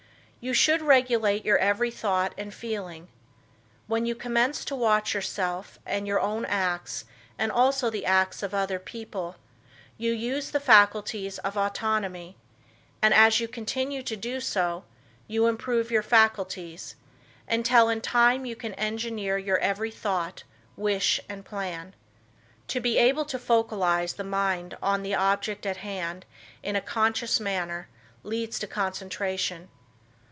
You should regulate your every thought and feeling. When you commence to watch yourself and your own acts and also the acts of other people, you use the faculties of autonomy, and, as you continue to do so, you improve your faculties, until in time you can engineer your every thought, wish and plan. To be able to focalize the mind on the object at hand in a conscious manner leads to concentration.